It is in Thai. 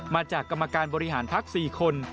มาจากกรรมการบริหารพัก๔คน